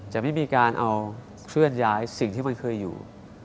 จะไม่มีการเอาเคลื่อนย้ายสิ่งที่มันเคยอยู่